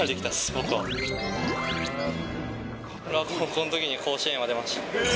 僕は高校のときに甲子園に出ました。